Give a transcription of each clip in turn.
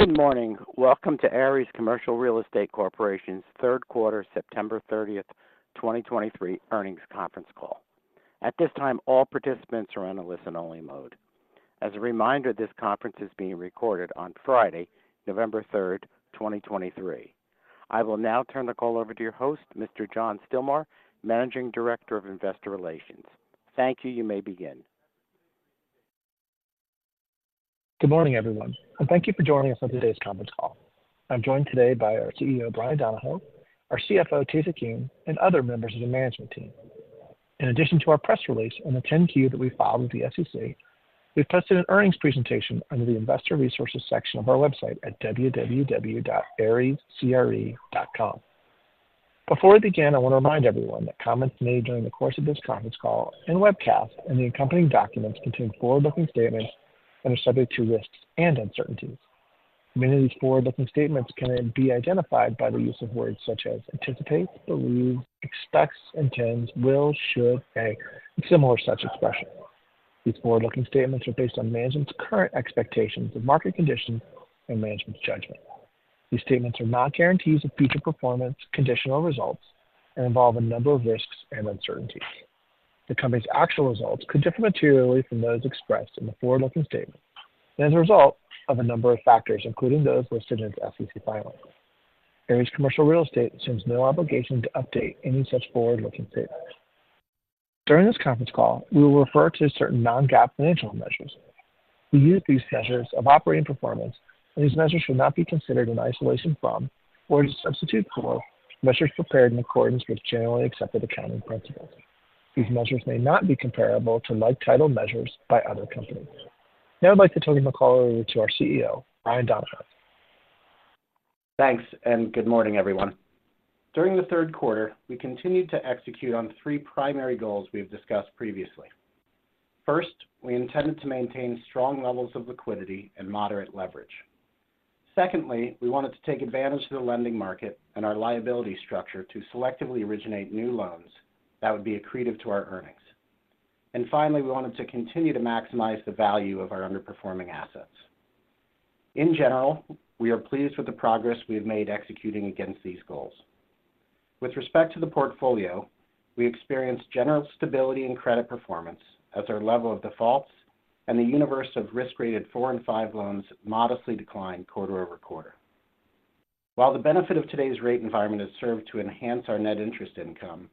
Good morning. Welcome to Ares Commercial Real Estate Corporation's third quarter, September 30th, 2023 earnings conference call. At this time, all participants are on a listen-only mode. As a reminder, this conference is being recorded on Friday, November 3, 2023. I will now turn the call over to your host, Mr. John Stilmar, Managing Director of Investor Relations. Thank you. You may begin. Good morning, everyone, and thank you for joining us on today's conference call. I'm joined today by our CEO, Bryan Donohoe, our CFO, Tae-Sik Yoon, and other members of the management team. In addition to our press release and the 10-Q that we filed with the SEC, we've posted an earnings presentation under the Investor Resources section of our website at www.arescre.com. Before we begin, I want to remind everyone that comments made during the course of this conference call and webcast and the accompanying documents contain forward-looking statements that are subject to risks and uncertainties. Many of these forward-looking statements can be identified by the use of words such as anticipate, believe, expects, intends, will, should, may, and similar such expressions. These forward-looking statements are based on management's current expectations of market conditions and management's judgment. These statements are not guarantees of future performance, conditional results, and involve a number of risks and uncertainties. The Company's actual results could differ materially from those expressed in the forward-looking statements and as a result of a number of factors, including those listed in its SEC filings. Ares Commercial Real Estate assumes no obligation to update any such forward-looking statements. During this conference call, we will refer to certain non-GAAP financial measures. We use these measures of operating performance, and these measures should not be considered in isolation from or as a substitute for measures prepared in accordance with generally accepted accounting principles. These measures may not be comparable to like-titled measures by other companies. Now I'd like to turn the call over to our CEO, Bryan Donohoe. Thanks, and good morning, everyone. During the third quarter, we continued to execute on three primary goals we've discussed previously. First, we intended to maintain strong levels of liquidity and moderate leverage. Secondly, we wanted to take advantage of the lending market and our liability structure to selectively originate new loans that would be accretive to our earnings. And finally, we wanted to continue to maximize the value of our underperforming assets. In general, we are pleased with the progress we've made executing against these goals. With respect to the portfolio, we experienced general stability and credit performance as our level of defaults and the universe of risk-rated 4 and 5 loans modestly declined quarter-over-quarter. While the benefit of today's rate environment has served to enhance our net interest income,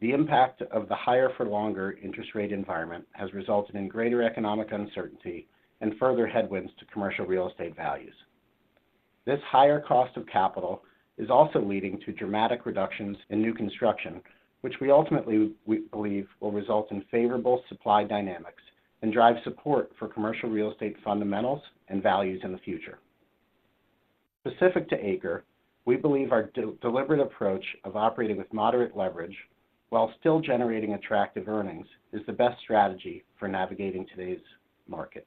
the impact of the higher for longer interest rate environment has resulted in greater economic uncertainty and further headwinds to commercial real estate values. This higher cost of capital is also leading to dramatic reductions in new construction, which we ultimately believe will result in favorable supply dynamics and drive support for commercial real estate fundamentals and values in the future. Specific to ACRE, we believe our deliberate approach of operating with moderate leverage while still generating attractive earnings is the best strategy for navigating today's market.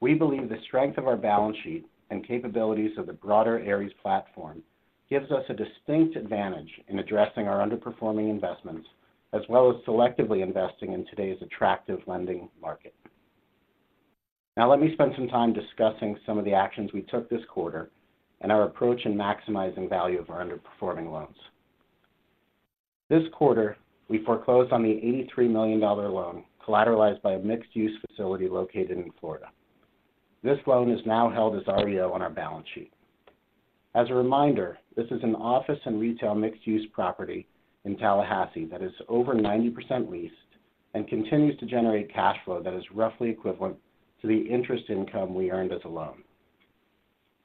We believe the strength of our balance sheet and capabilities of the broader Ares platform gives us a distinct advantage in addressing our underperforming investments, as well as selectively investing in today's attractive lending market. Now, let me spend some time discussing some of the actions we took this quarter and our approach in maximizing value of our underperforming loans. This quarter, we foreclosed on the $83 million loan collateralized by a mixed-use facility located in Florida. This loan is now held as REO on our balance sheet. As a reminder, this is an office and retail mixed-use property in Tallahassee that is over 90% leased and continues to generate cash flow that is roughly equivalent to the interest income we earned as a loan.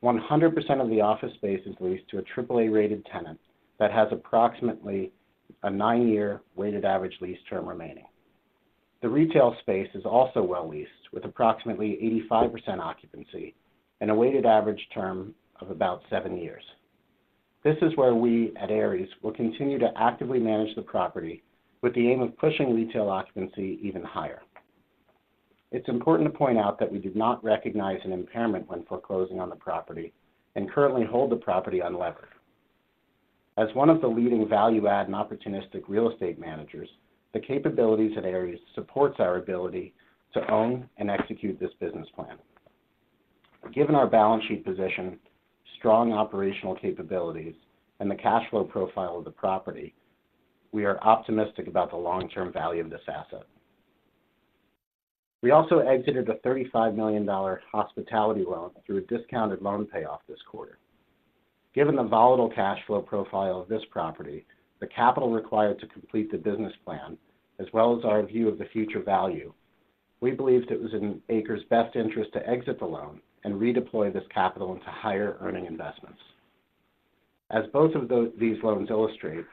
100% of the office space is leased to a AAA-rated tenant that has approximately a 9-year weighted average lease term remaining. The retail space is also well leased, with approximately 85% occupancy and a weighted average term of about 7 years. This is where we, at Ares, will continue to actively manage the property with the aim of pushing retail occupancy even higher. It's important to point out that we did not recognize an impairment when foreclosing on the property and currently hold the property unlevered. As one of the leading value-add and opportunistic real estate managers, the capabilities at Ares supports our ability to own and execute this business plan. Given our balance sheet position, strong operational capabilities, and the cash flow profile of the property, we are optimistic about the long-term value of this asset. We also exited a $35 million hospitality loan through a discounted loan payoff this quarter. Given the volatile cash flow profile of this property, the capital required to complete the business plan, as well as our view of the future value, we believed it was in ACRE's best interest to exit the loan and redeploy this capital into higher-earning investments. As both of these loans illustrate,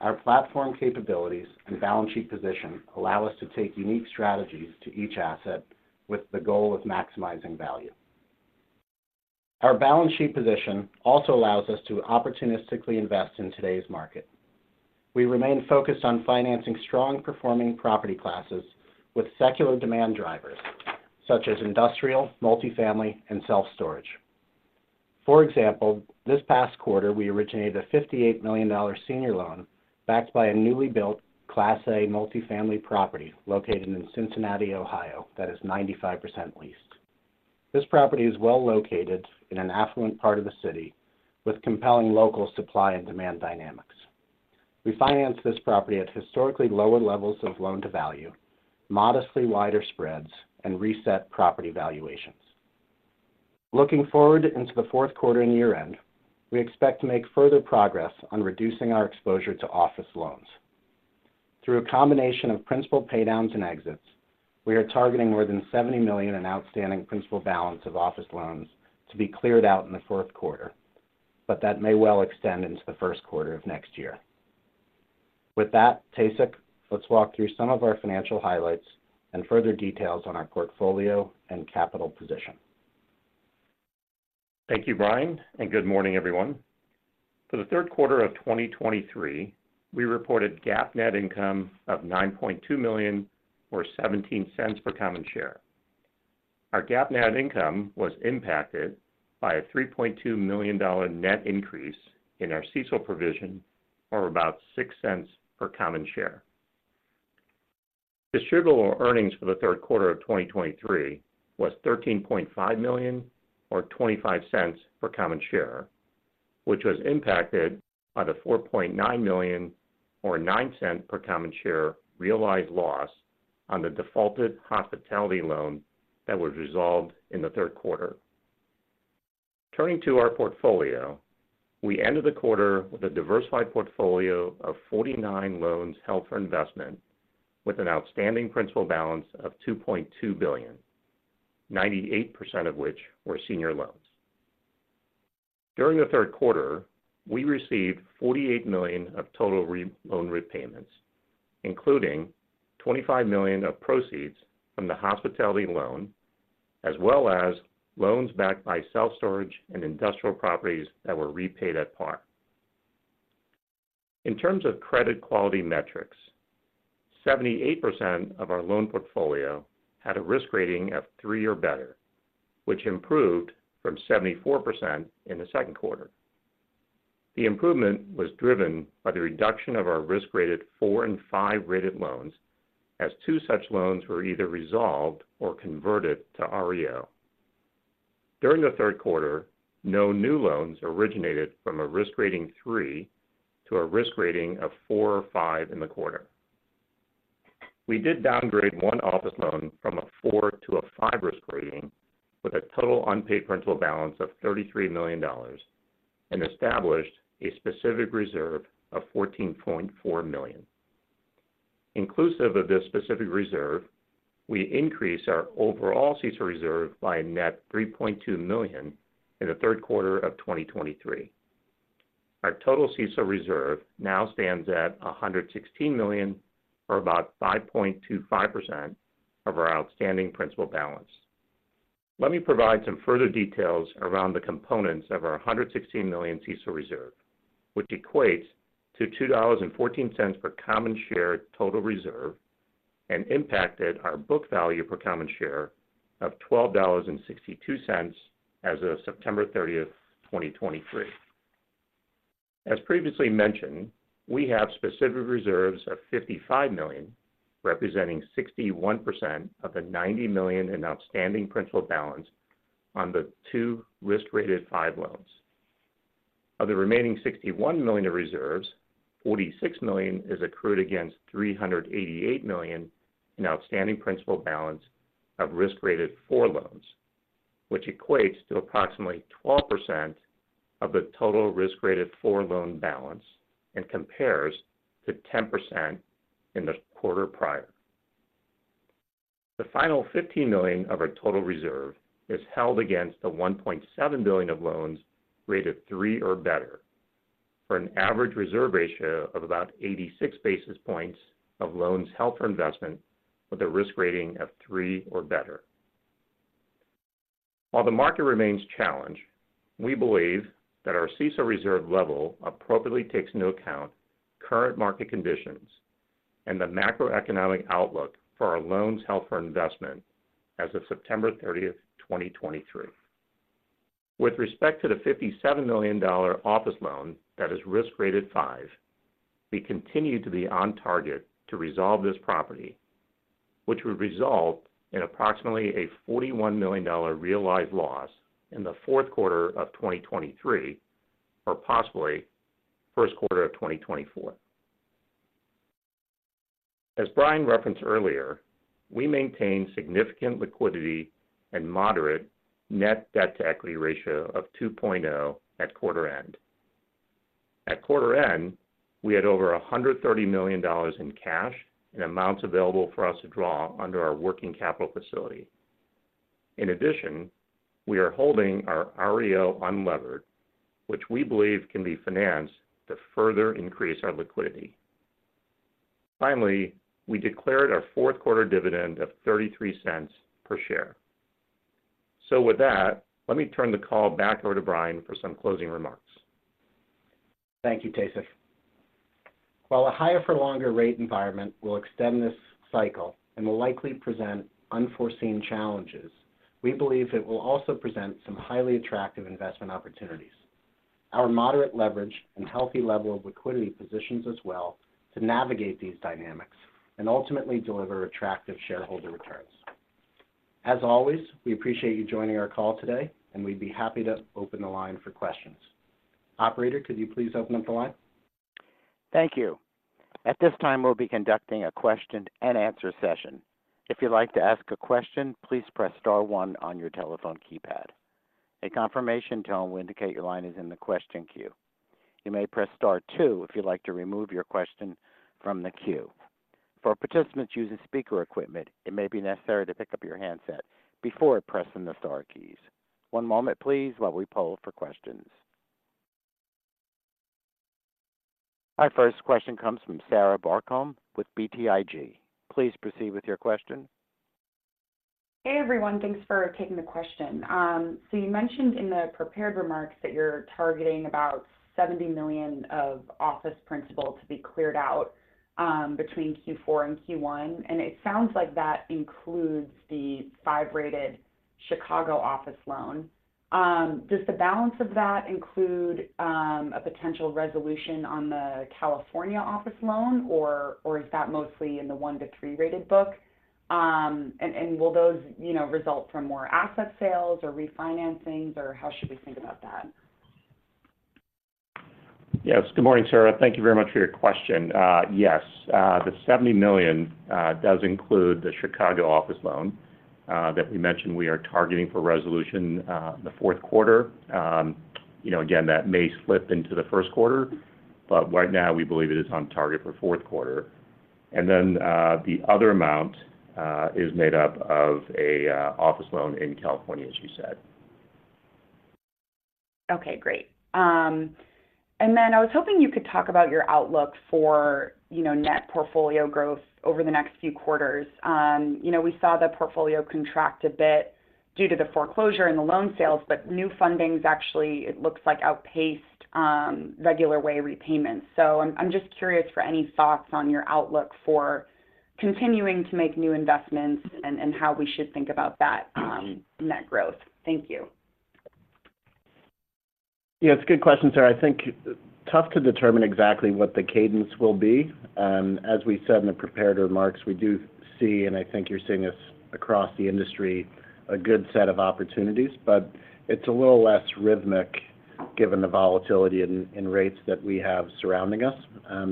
our platform capabilities and balance sheet position allow us to take unique strategies to each asset with the goal of maximizing value. Our balance sheet position also allows us to opportunistically invest in today's market. We remain focused on financing strong-performing property classes with secular demand drivers such as industrial, multifamily, and self-storage. For example, this past quarter, we originated a $58 million senior loan backed by a newly built Class A multifamily property located in Cincinnati, Ohio, that is 95% leased. This property is well located in an affluent part of the city with compelling local supply and demand dynamics. We financed this property at historically lower levels of loan-to-value, modestly wider spreads, and reset property valuations. Looking forward into the fourth quarter and year-end, we expect to make further progress on reducing our exposure to office loans. Through a combination of principal paydowns and exits, we are targeting more than $70 million in outstanding principal balance of office loans to be cleared out in the fourth quarter, but that may well extend into the first quarter of next year. With that, Tae-Sik, let's walk through some of our financial highlights and further details on our portfolio and capital position. Thank you, Bryan, and good morning, everyone. For the third quarter of 2023, we reported GAAP net income of $9.2 million, or $0.17 per common share. Our GAAP net income was impacted by a $3.2 million net increase in our CECL provision, or about $0.06 per common share. Distributable Earnings for the third quarter of 2023 was $13.5 million, or $0.25 per common share, which was impacted by the $4.9 million or $0.09 per common share realized loss on the defaulted hospitality loan that was resolved in the third quarter. Turning to our portfolio, we ended the quarter with a diversified portfolio of 49 loans held for investment, with an outstanding principal balance of $2.2 billion, 98% of which were senior loans. During the third quarter, we received $48 million of total loan repayments, including $25 million of proceeds from the hospitality loan, as well as loans backed by self-storage and industrial properties that were repaid at par. In terms of credit quality metrics, 78% of our loan portfolio had a risk rating of 3 or better, which improved from 74% in the second quarter. The improvement was driven by the reduction of our risk-rated 4- and 5-rated loans, as 2 such loans were either resolved or converted to REO. During the third quarter, no new loans originated from a risk rating 3 to a risk rating of 4 or 5 in the quarter. We did downgrade 1 office loan from a 4 to a 5 risk rating, with a total unpaid principal balance of $33 million, and established a specific reserve of $14.4 million. Inclusive of this specific reserve, we increased our overall CECL reserve by a net $3.2 million in the third quarter of 2023. Our total CECL reserve now stands at $116 million, or about 5.25% of our outstanding principal balance. Let me provide some further details around the components of our $116 million CECL reserve, which equates to $2.14 per common share total reserve and impacted our book value per common share of $12.62 as of September 30, 2023. As previously mentioned, we have specific reserves of $55 million, representing 61% of the $90 million in outstanding principal balance on the two risk-rated 5 loans. Of the remaining $61 million in reserves, $46 million is accrued against $388 million in outstanding principal balance of risk-rated 4 loans, which equates to approximately 12% of the total risk-rated 4 loan balance and compares to 10% in the quarter prior. The final $15 million of our total reserve is held against the $1.7 billion of loans rated 3 or better, for an average reserve ratio of about 86 basis points of loans held for investment with a risk rating of 3 or better. While the market remains challenged, we believe that our CECL reserve level appropriately takes into account current market conditions and the macroeconomic outlook for our loans held for investment as of September 30th, 2023. With respect to the $57 million office loan that is risk-rated 5, we continue to be on target to resolve this property, which would result in approximately a $41 million realized loss in the fourth quarter of 2023, or possibly first quarter of 2024. As Bryan referenced earlier, we maintain significant liquidity and moderate net debt-to-equity ratio of 2.0 at quarter end. At quarter end, we had over $130 million in cash and amounts available for us to draw under our working capital facility. In addition, we are holding our REO unlevered, which we believe can be financed to further increase our liquidity. Finally, we declared our fourth quarter dividend of $0.33 per share. So with that, let me turn the call back over to Bryan for some closing remarks.... Thank you, Tae-Sik. While a higher-for-longer rate environment will extend this cycle and will likely present unforeseen challenges, we believe it will also present some highly attractive investment opportunities. Our moderate leverage and healthy level of liquidity positions us well to navigate these dynamics and ultimately deliver attractive shareholder returns. As always, we appreciate you joining our call today, and we'd be happy to open the line for questions. Operator, could you please open up the line? Thank you. At this time, we'll be conducting a question-and-answer session. If you'd like to ask a question, please press star one on your telephone keypad. A confirmation tone will indicate your line is in the question queue. You may press star two if you'd like to remove your question from the queue. For participants using speaker equipment, it may be necessary to pick up your handset before pressing the star keys. One moment, please, while we poll for questions. Our first question comes from Sarah Barcomb with BTIG. Please proceed with your question. Hey, everyone. Thanks for taking the question. So you mentioned in the prepared remarks that you're targeting about $70 million of office principal to be cleared out between Q4 and Q1, and it sounds like that includes the 5-rated Chicago office loan. Does the balance of that include a potential resolution on the California office loan, or is that mostly in the 1-3 rated book? And will those, you know, result from more asset sales or refinancings, or how should we think about that? Yes. Good morning, Sarah. Thank you very much for your question. Yes, the $70 million does include the Chicago office loan that we mentioned we are targeting for resolution in the fourth quarter. You know, again, that may slip into the first quarter, but right now we believe it is on target for fourth quarter. And then, the other amount is made up of a office loan in California, as you said. Okay, great. And then I was hoping you could talk about your outlook for, you know, net portfolio growth over the next few quarters. You know, we saw the portfolio contract a bit due to the foreclosure and the loan sales, but new fundings actually, it looks like, outpaced regular way repayments. So I'm just curious for any thoughts on your outlook for continuing to make new investments and how we should think about that net growth. Thank you. Yeah, it's a good question, Sarah. I think it's tough to determine exactly what the cadence will be. As we said in the prepared remarks, we do see, and I think you're seeing this across the industry, a good set of opportunities, but it's a little less rhythmic given the volatility in rates that we have surrounding us.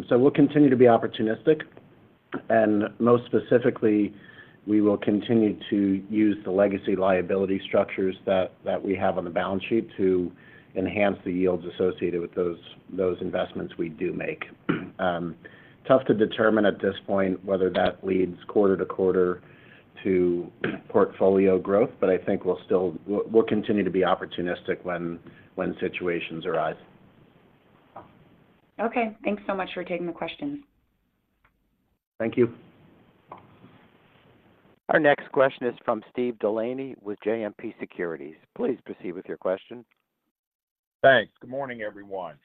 So we'll continue to be opportunistic, and most specifically, we will continue to use the legacy liability structures that we have on the balance sheet to enhance the yields associated with those investments we do make. It's tough to determine at this point whether that leads quarter to quarter to portfolio growth, but I think we'll still, we'll continue to be opportunistic when situations arise. Okay. Thanks so much for taking the question. Thank you. Our next question is from Steve Delaney with JMP Securities. Please proceed with your question. Thanks. Good morning, everyone.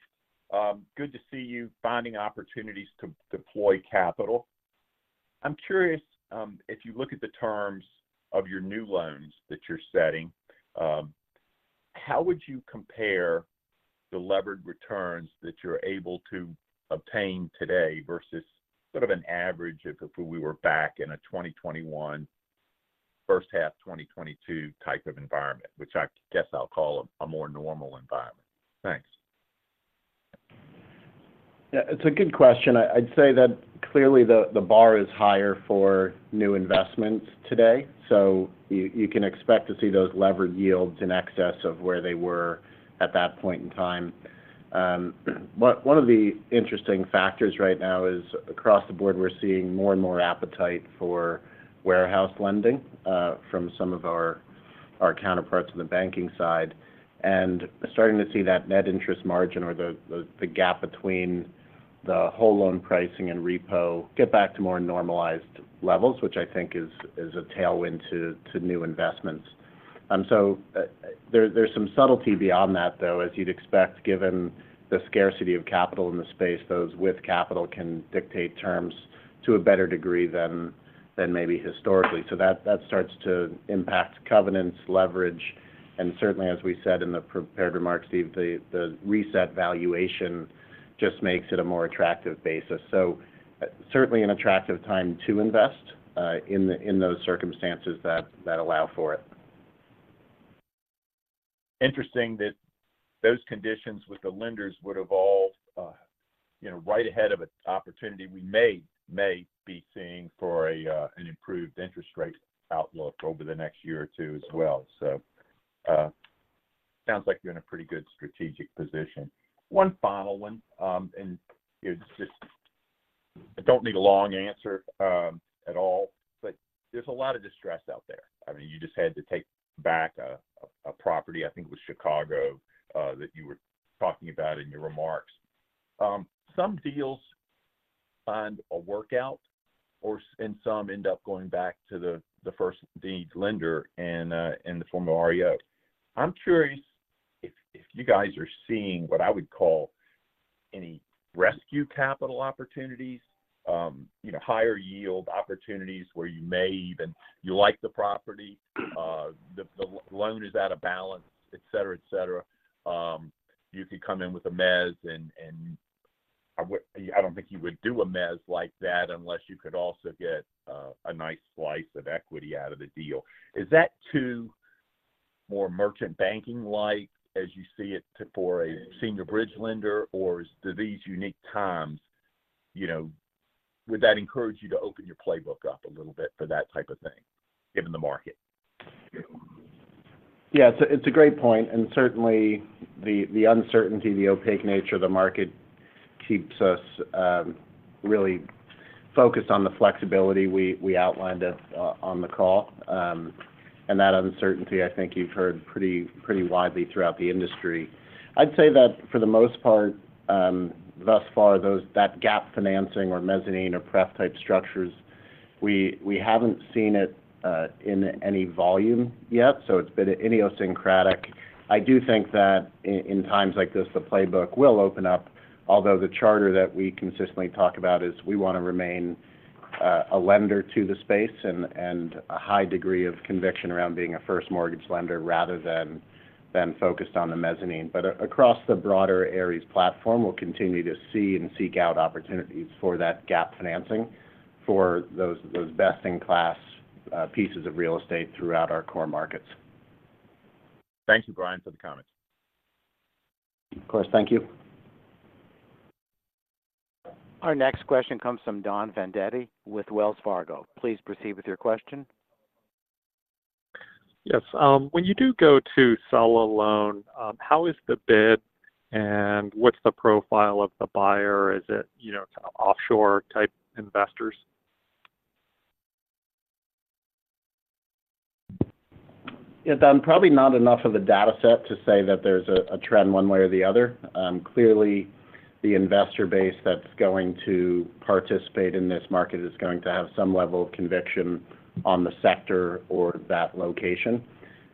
Good to see you finding opportunities to deploy capital. I'm curious, if you look at the terms of your new loans that you're setting, how would you compare the levered returns that you're able to obtain today versus sort of an average of if we were back in a 2021, first half 2022 type of environment, which I guess I'll call a more normal environment? Thanks. Yeah, it's a good question. I'd say that clearly the bar is higher for new investments today, so you can expect to see those levered yields in excess of where they were at that point in time. One of the interesting factors right now is, across the board, we're seeing more and more appetite for warehouse lending from some of our counterparts on the banking side, and starting to see that net interest margin or the gap between the whole loan pricing and repo get back to more normalized levels, which I think is a tailwind to new investments. So there's some subtlety beyond that, though. As you'd expect, given the scarcity of capital in the space, those with capital can dictate terms to a better degree than maybe historically. So that starts to impact covenants, leverage, and certainly, as we said in the prepared remarks, Steve, the reset valuation just makes it a more attractive basis. So certainly an attractive time to invest in those circumstances that allow for it. Interesting that those conditions with the lenders would evolve, you know, right ahead of an opportunity we may be seeing for an improved interest rate outlook over the next year or two as well. So, sounds like you're in a pretty good strategic position. One final one, and it's just... I don't need a long answer at all, but there's a lot of distress out there. I mean, you just had to take back a property, I think it was Chicago, that you were talking about in your remarks. Some deals find a workout or and some end up going back to the first lien lender and, and then the REO. I'm curious if you guys are seeing what I would call any rescue capital opportunities, you know, higher yield opportunities where you may even like the property, the loan is out of balance, et cetera, et cetera. You could come in with a mezz, and I don't think you would do a mezz like that unless you could also get a nice slice of equity out of the deal. Is that too more merchant banking like, as you see it, for a senior bridge lender? Or do these unique times, you know, would that encourage you to open your playbook up a little bit for that type of thing, given the market? Yeah. So it's a great point, and certainly the uncertainty, the opaque nature of the market keeps us really focused on the flexibility we outlined at, on the call. And that uncertainty, I think you've heard pretty widely throughout the industry. I'd say that for the most part, thus far, that gap financing or mezzanine or pref-type structures, we haven't seen it in any volume yet, so it's been idiosyncratic. I do think that in times like this, the playbook will open up, although the charter that we consistently talk about is we want to remain a lender to the space and a high degree of conviction around being a first mortgage lender rather than focused on the mezzanine. But across the broader Ares platform, we'll continue to see and seek out opportunities for that gap financing for those best-in-class pieces of real estate throughout our core markets. Thank you, Bryan, for the comments. Of course. Thank you. Our next question comes from Don Fandetti with Wells Fargo. Please proceed with your question. Yes, when you do go to sell a loan, how is the bid, and what's the profile of the buyer? Is it, you know, offshore-type investors? Yeah, Don, probably not enough of a data set to say that there's a trend one way or the other. Clearly, the investor base that's going to participate in this market is going to have some level of conviction on the sector or that location.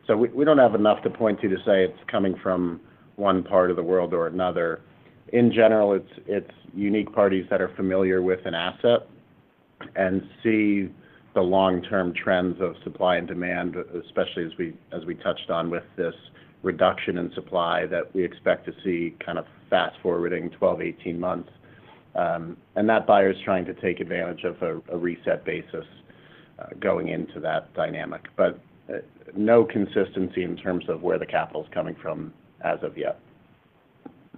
So we don't have enough to point to, to say it's coming from one part of the world or another. In general, it's unique parties that are familiar with an asset and see the long-term trends of supply and demand, especially as we touched on with this reduction in supply that we expect to see kind of fast-forwarding 12, 18 months. And that buyer is trying to take advantage of a reset basis going into that dynamic. But no consistency in terms of where the capital is coming from as of yet.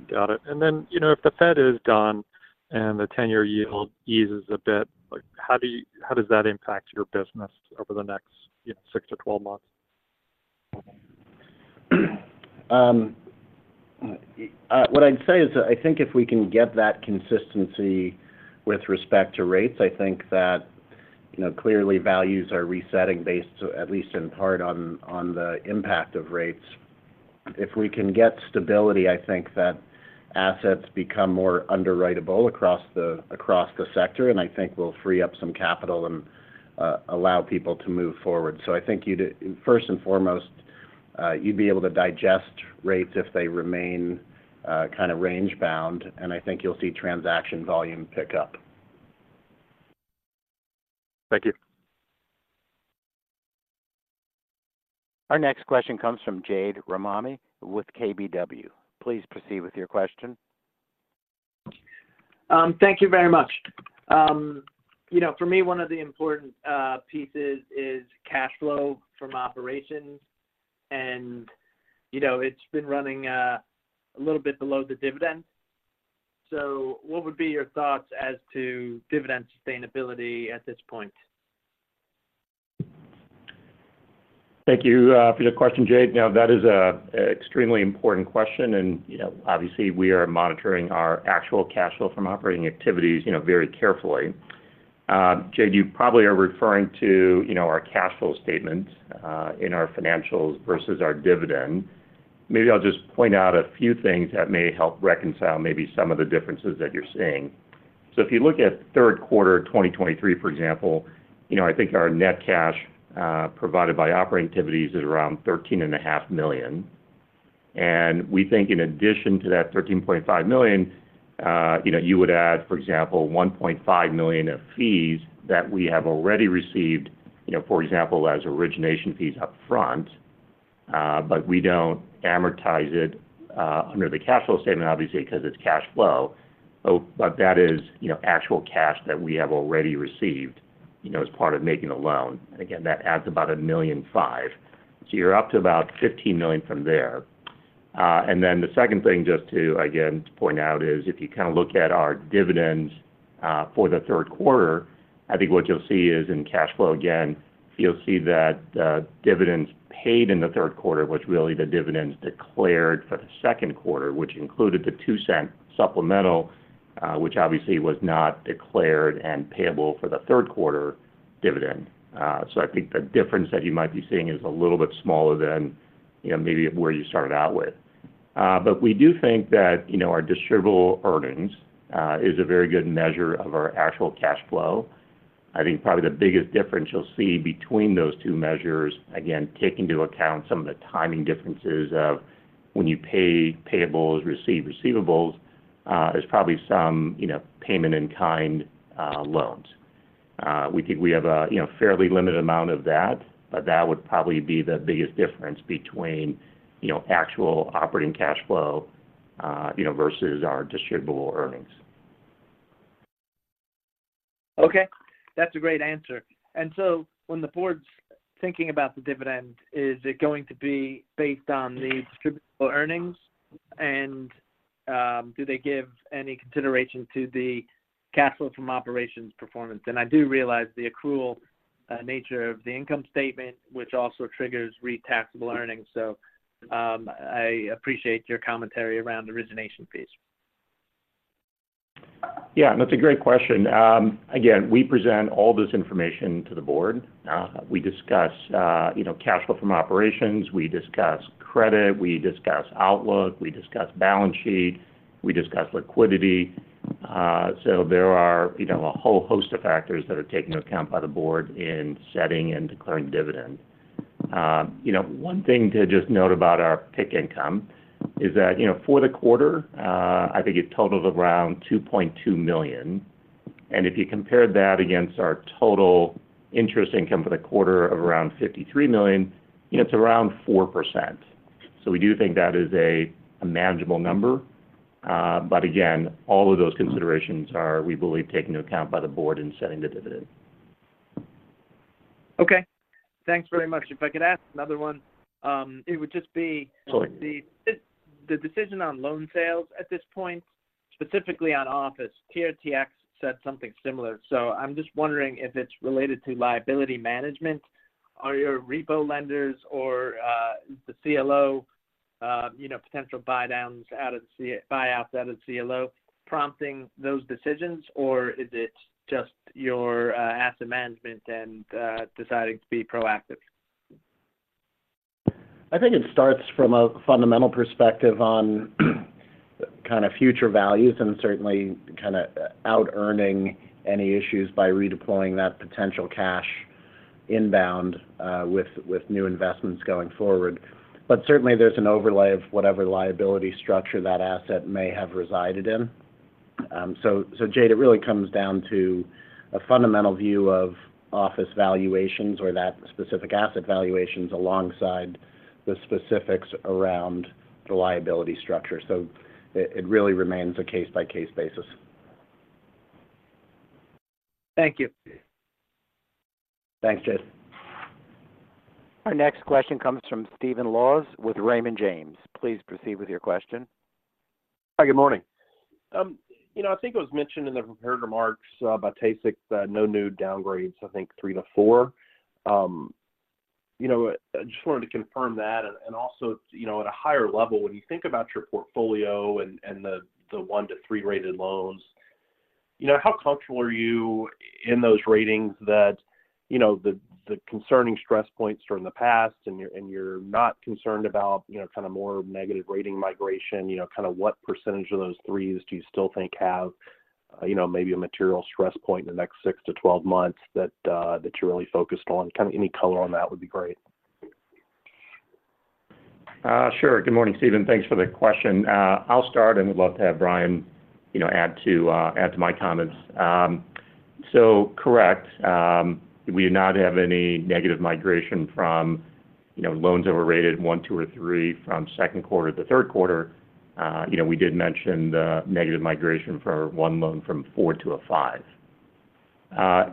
Got it. And then, you know, if the Fed is done and the ten-year yield eases a bit, like, how do you-- how does that impact your business over the next, you know, 6-12 months? What I'd say is I think if we can get that consistency with respect to rates, I think that, you know, clearly values are resetting based, at least in part, on, on the impact of rates. If we can get stability, I think that assets become more underwritable across the, across the sector, and I think we'll free up some capital and, allow people to move forward. So I think you'd, first and foremost, you'd be able to digest rates if they remain, kind of range-bound, and I think you'll see transaction volume pick up. Thank you. Our next question comes from Jade Rahmani with KBW. Please proceed with your question. Thank you very much. You know, for me, one of the important pieces is cash flow from operations, and, you know, it's been running a little bit below the dividend. So what would be your thoughts as to dividend sustainability at this point? Thank you for your question, Jade. Now, that is an extremely important question, and you know, obviously, we are monitoring our actual cash flow from operating activities, you know, very carefully. Jade, you probably are referring to, you know, our cash flow statement in our financials versus our dividend. Maybe I'll just point out a few things that may help reconcile maybe some of the differences that you're seeing. So if you look at third quarter 2023, for example, you know, I think our net cash provided by operating activities is around $13.5 million. And we think in addition to that $13.5 million, you know, you would add, for example, $1.5 million of fees that we have already received, you know, for example, as origination fees upfront, but we don't amortize it, under the cash flow statement, obviously, because it's cash flow. But, but that is, you know, actual cash that we have already received, you know, as part of making a loan. And again, that adds about a million five. So you're up to about $15 million from there. And then the second thing, just to, again, point out, is if you kind of look at our dividends, for the third quarter, I think what you'll see is in cash flow, again, you'll see that, dividends paid in the third quarter, which really the dividends declared for the second quarter, which included the $0.02 supplemental, which obviously was not declared and payable for the third quarter dividend. So I think the difference that you might be seeing is a little bit smaller than, you know, maybe where you started out with. ... But we do think that, you know, our Distributable Earnings is a very good measure of our actual cash flow. I think probably the biggest difference you'll see between those two measures, again, take into account some of the timing differences of when you pay payables, receive receivables, there's probably some, you know, payment-in-kind loans. We think we have a, you know, fairly limited amount of that, but that would probably be the biggest difference between, you know, actual operating cash flow, you know, versus our Distributable Earnings. Okay, that's a great answer. And so when the board's thinking about the dividend, is it going to be based on the distributable earnings? And, do they give any consideration to the cash flow from operations performance? And I do realize the accrual, nature of the income statement, which also triggers REIT-taxable earnings. So, I appreciate your commentary around the origination piece. Yeah, that's a great question. Again, we present all this information to the board. We discuss, you know, cash flow from operations, we discuss credit, we discuss outlook, we discuss balance sheet, we discuss liquidity. So there are, you know, a whole host of factors that are taken into account by the board in setting and declaring dividend. You know, one thing to just note about our PIK income is that, you know, for the quarter, I think it totals around $2.2 million. And if you compared that against our total interest income for the quarter of around $53 million, you know, it's around 4%. So we do think that is a manageable number. But again, all of those considerations are, we believe, taken into account by the board in setting the dividend. Okay. Thanks very much. If I could ask another one, it would just be- Sure. The decision on loan sales at this point, specifically on office. TRTX said something similar, so I'm just wondering if it's related to liability management. Are your repo lenders or the CLO, you know, potential buyouts out of CLO prompting those decisions, or is it just your asset management and deciding to be proactive? I think it starts from a fundamental perspective on, kind of, future values and certainly kinda out-earning any issues by redeploying that potential cash inbound with new investments going forward. But certainly, there's an overlay of whatever liability structure that asset may have resided in. So Jade, it really comes down to a fundamental view of office valuations or that specific asset valuations alongside the specifics around the liability structure. So it really remains a case-by-case basis. Thank you. Thanks, Jade. Our next question comes from Stephen Laws with Raymond James. Please proceed with your question. Hi, good morning. You know, I think it was mentioned in the prepared remarks by Tae-Sik no new downgrades, I think 3-4. You know, I just wanted to confirm that. Also, you know, at a higher level, when you think about your portfolio and the 1-3-rated loans, you know, how comfortable are you in those ratings that, you know, the concerning stress points are in the past, and you're not concerned about, you know, kind of more negative rating migration? You know, kind of what percentage of those threes do you still think have, you know, maybe a material stress point in the next 6-12 months that that you're really focused on? Kind of any color on that would be great. Sure. Good morning, Steven. Thanks for the question. I'll start, and would love to have Bryan, you know, add to my comments. So correct, we did not have any negative migration from, you know, loans that were rated one, two, or three from second quarter to the third quarter. You know, we did mention the negative migration for one loan from a four to a five.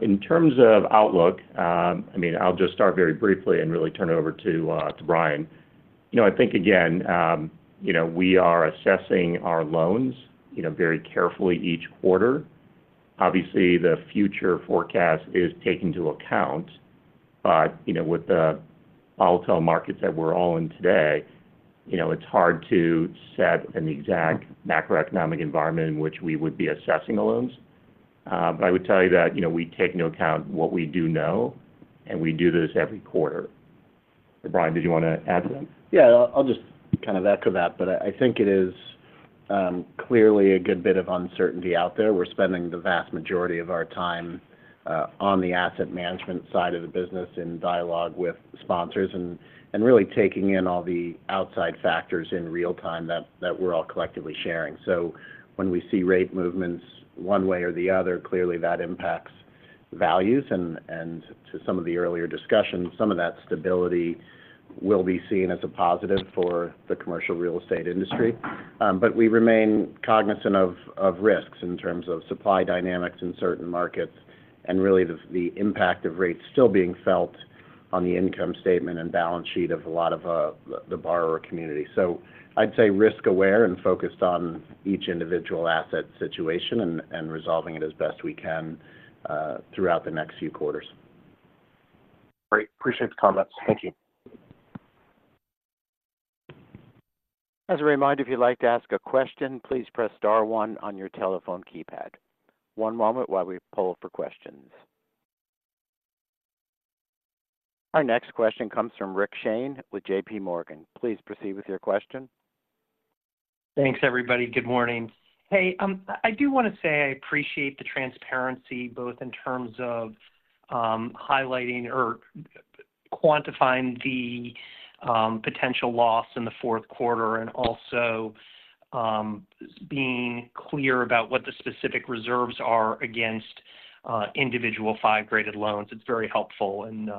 In terms of outlook, I mean, I'll just start very briefly and really turn it over to Bryan. You know, I think again, we are assessing our loans, you know, very carefully each quarter. Obviously, the future forecast is taken into account. You know, with the volatile markets that we're all in today, you know, it's hard to set an exact macroeconomic environment in which we would be assessing the loans. But I would tell you that, you know, we take into account what we do know, and we do this every quarter. Bryan, did you want to add to that? Yeah, I'll just kind of echo that, but I think it is clearly a good bit of uncertainty out there. We're spending the vast majority of our time on the asset management side of the business in dialogue with sponsors and really taking in all the outside factors in real time that we're all collectively sharing. So when we see rate movements one way or the other, clearly that impacts values. And to some of the earlier discussions, some of that stability will be seen as a positive for the commercial real estate industry. But we remain cognizant of risks in terms of supply dynamics in certain markets and really the impact of rates still being felt on the income statement and balance sheet of a lot of the borrower community. So I'd say risk-aware and focused on each individual asset situation and resolving it as best we can throughout the next few quarters. Great. Appreciate the comments. Thank you. As a reminder, if you'd like to ask a question, please press star one on your telephone keypad. One moment while we poll for questions... Our next question comes from Rick Shane with JPMorgan. Please proceed with your question. Thanks, everybody. Good morning. Hey, I do want to say I appreciate the transparency, both in terms of, highlighting or quantifying the, potential loss in the fourth quarter, and also, being clear about what the specific reserves are against, individual 5-graded loans. It's very helpful and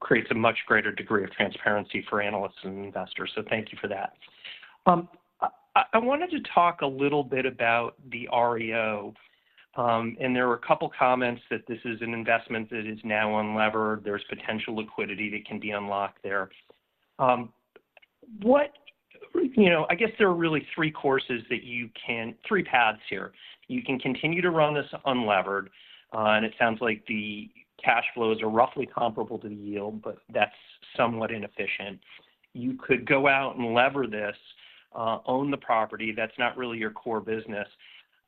creates a much greater degree of transparency for analysts and investors. So thank you for that. I wanted to talk a little bit about the REO. There were a couple comments that this is an investment that is now unlevered. There's potential liquidity that can be unlocked there. You know, I guess there are really three paths here. You can continue to run this unlevered, and it sounds like the cash flows are roughly comparable to the yield, but that's somewhat inefficient. You could go out and lever this, own the property, that's not really your core business. And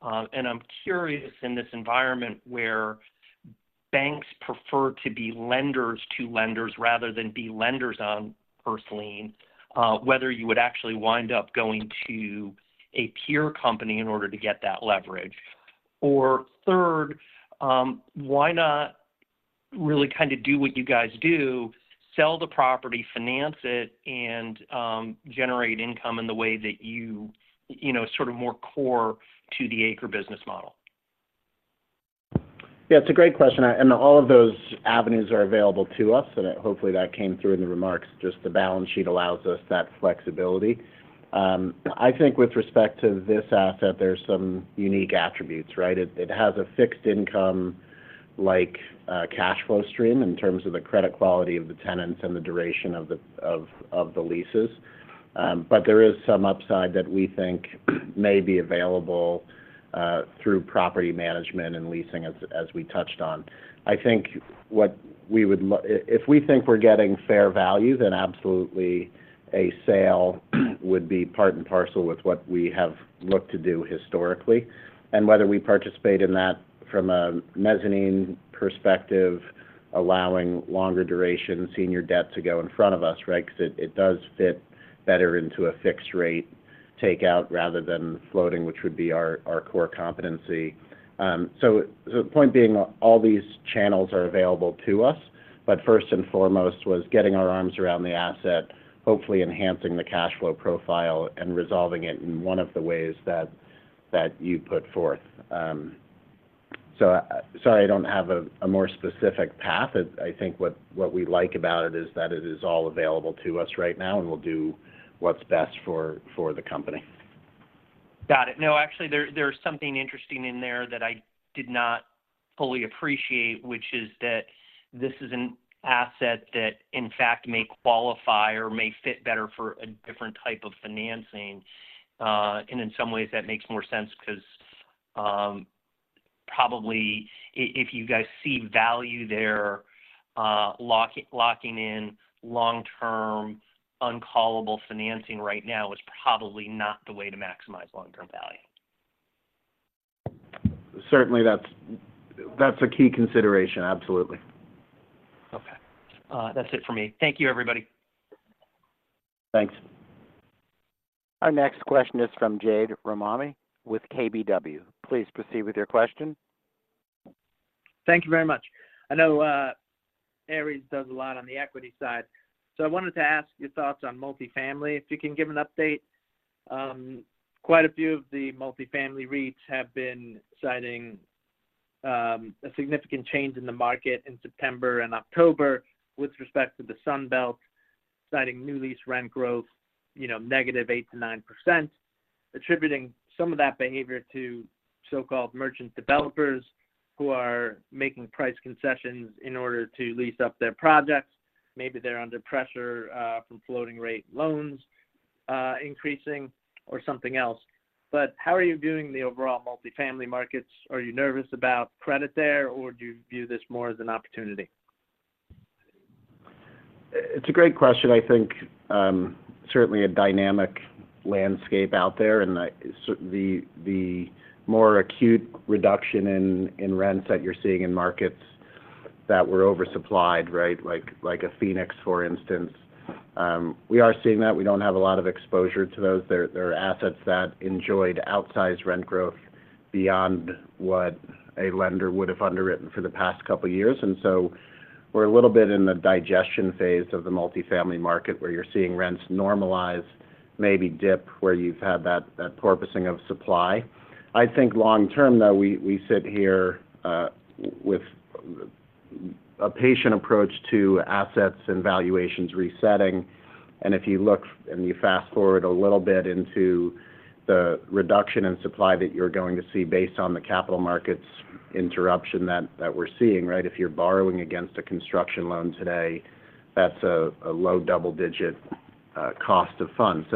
I'm curious, in this environment where banks prefer to be lenders to lenders rather than be lenders on first lien, whether you would actually wind up going to a peer company in order to get that leverage? Or third, why not really kind of do what you guys do, sell the property, finance it, and, generate income in the way that you, you know, sort of more core to the ACRE business model? Yeah, it's a great question, and all of those avenues are available to us, and hopefully, that came through in the remarks. Just the balance sheet allows us that flexibility. I think with respect to this asset, there's some unique attributes, right? It has a fixed income, like, cash flow stream in terms of the credit quality of the tenants and the duration of the leases. But there is some upside that we think may be available through property management and leasing, as we touched on. I think what we would if we think we're getting fair value, then absolutely, a sale would be part and parcel with what we have looked to do historically, and whether we participate in that from a mezzanine perspective, allowing longer duration senior debt to go in front of us, right? Because it does fit better into a fixed rate takeout rather than floating, which would be our core competency. So the point being, all these channels are available to us, but first and foremost, was getting our arms around the asset, hopefully enhancing the cash flow profile and resolving it in one of the ways that you put forth. Sorry, I don't have a more specific path. I think what we like about it is that it is all available to us right now, and we'll do what's best for the company. Got it. No, actually, there, there's something interesting in there that I did not fully appreciate, which is that this is an asset that, in fact, may qualify or may fit better for a different type of financing. And in some ways, that makes more sense because, probably if you guys see value there, locking in long-term, uncallable financing right now is probably not the way to maximize long-term value. Certainly, that's a key consideration. Absolutely. Okay. That's it for me. Thank you, everybody. Thanks. Our next question is from Jade Rahmani with KBW. Please proceed with your question. Thank you very much. I know, Ares does a lot on the equity side, so I wanted to ask your thoughts on multifamily, if you can give an update. Quite a few of the multifamily REITs have been citing, a significant change in the market in September and October with respect to the Sun Belt, citing new lease rent growth, you know, negative 8%-9%, attributing some of that behavior to so-called merchant developers who are making price concessions in order to lease up their projects. Maybe they're under pressure, from floating rate loans, increasing or something else. But how are you viewing the overall multifamily markets? Are you nervous about credit there, or do you view this more as an opportunity? It's a great question. I think certainly a dynamic landscape out there, and the more acute reduction in rents that you're seeing in markets that were oversupplied, right? Like a Phoenix, for instance. We are seeing that. We don't have a lot of exposure to those. They're assets that enjoyed outsized rent growth beyond what a lender would have underwritten for the past couple of years. And so we're a little bit in the digestion phase of the multifamily market, where you're seeing rents normalize, maybe dip, where you've had that pausing of supply. I think long term, though, we sit here with a patient approach to assets and valuations resetting. And if you look and you fast-forward a little bit into the reduction in supply that you're going to see based on the capital markets interruption that we're seeing, right? If you're borrowing against a construction loan today, that's a low double-digit cost of funds.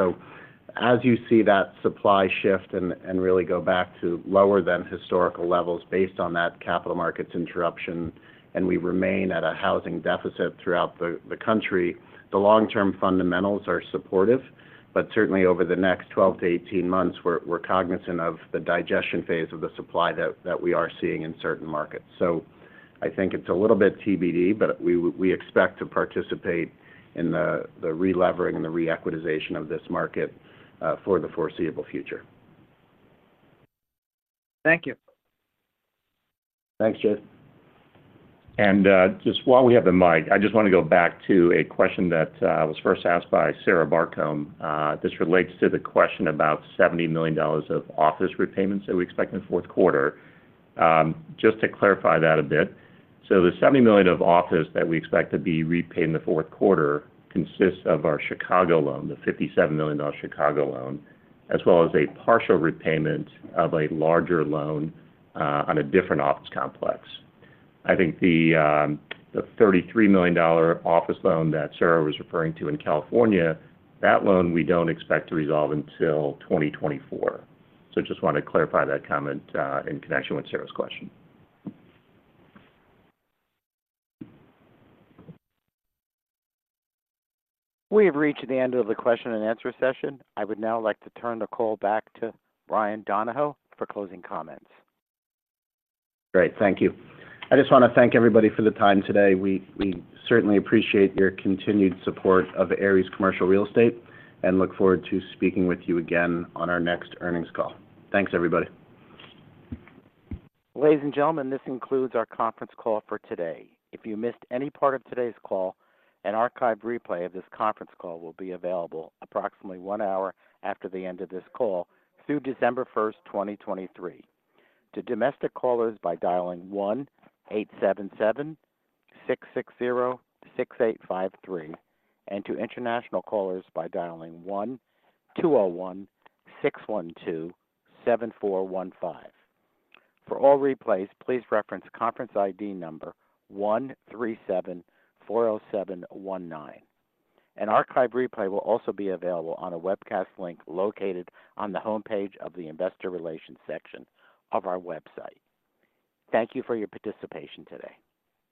As you see that supply shift and really go back to lower than historical levels based on that capital markets interruption, and we remain at a housing deficit throughout the country, the long-term fundamentals are supportive. But certainly over the next 12-18 months, we're cognizant of the digestion phase of the supply that we are seeing in certain markets. So I think it's a little bit TBD, but we expect to participate in the relevering and the re-equitization of this market for the foreseeable future. Thank you. Thanks, Jay. And just while we have the mic, I just want to go back to a question that was first asked by Sarah Barcomb. This relates to the question about $70 million of office repayments that we expect in the fourth quarter. Just to clarify that a bit. So the $70 million of office that we expect to be repaid in the fourth quarter consists of our Chicago loan, the $57 million Chicago loan, as well as a partial repayment of a larger loan on a different office complex. I think the $33 million dollar office loan that Sarah was referring to in California, that loan we don't expect to resolve until 2024. So just want to clarify that comment in connection with Sarah's question. We have reached the end of the question and answer session. I would now like to turn the call back to Bryan Donohoe for closing comments. Great, thank you. I just want to thank everybody for the time today. We certainly appreciate your continued support of Ares Commercial Real Estate, and look forward to speaking with you again on our next earnings call. Thanks, everybody. Ladies and gentlemen, this concludes our conference call for today. If you missed any part of today's call, an archived replay of this conference call will be available approximately one hour after the end of this call through December 1, 2023. To domestic callers by dialing 1-877-660-6853, and to international callers by dialing 1-201-612-7415. For all replays, please reference conference ID number 13740719. An archive replay will also be available on a webcast link located on the homepage of the Investor Relations section of our website. Thank you for your participation today.